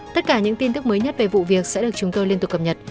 tất cả những tin tức mới nhất về vụ việc sẽ được chúng tôi liên tục cập nhật